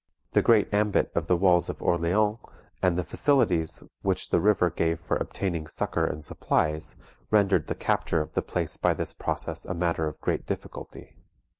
The great ambit of the walls of Orleans, and the facilities which the river gave for obtaining succour and supplies, rendered the capture of the place by this process a matter of great difficulty.